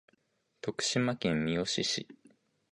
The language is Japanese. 徳島県三好市